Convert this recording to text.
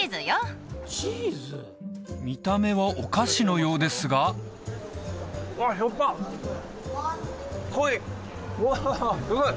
見た目はお菓子のようですがうわっすごい！